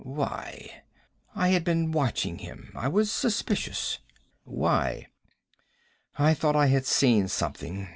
"Why?" "I had been watching him. I was suspicious." "Why?" "I thought I had seen something.